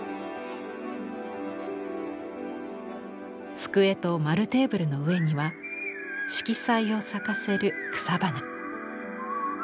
机と円テーブルの上には色彩を咲かせる草花。